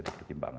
yang di sini juga